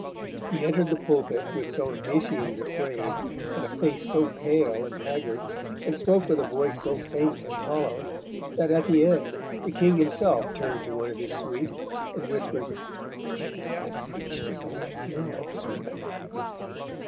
He entered the pulpit with so emaciated a frame and a face so pale and haggard, and spoke with a voice so faint and hollow, that at the end the King himself turned to one of his suite, and whispered, "The Dean has preached his own funeral sermon!"